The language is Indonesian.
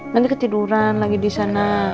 nanti ketiduran lagi disana